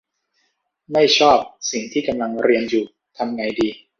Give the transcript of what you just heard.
ไม่ชอบสิ่งที่กำลังเรียนอยู่ ทำไงดี